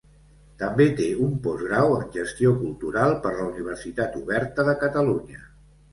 També té un postgrau en Gestió Cultural per la Universitat Oberta de Catalunya.